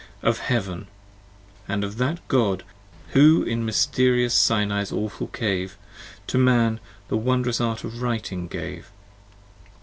... of heaven, And of that God from whom 20 Who in mysterious Sinai's awful cave, To Man the wondrous art of writing gave.